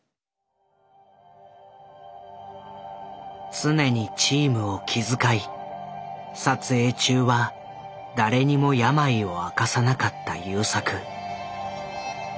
常にチームを気遣い撮影中は誰にも病を明かさなかった優作。